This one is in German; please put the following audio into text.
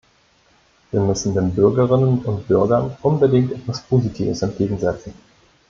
Wir müssen den Bürgerinnen und Bürgern unbedingt etwas Positives entgegensetzen.